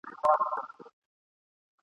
چي دي کرلي درته رسیږي !.